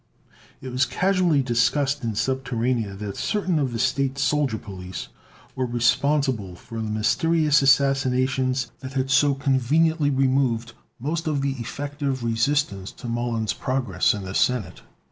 It was casually discussed in Subterranea that certain of the state soldier police were responsible for the mysterious assassinations that had so conveniently removed most of the effective resistance to Mollon's progress in the Senate.